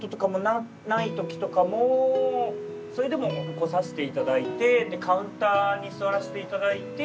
それでも来させていただいてでカウンターに座らしていただいて。